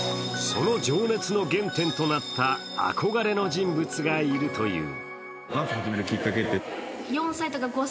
その情熱の原点となった憧れの人物がいるという。